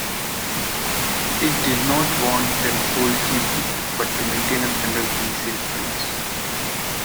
It did not want them sold cheaply but to maintain a standard resale price.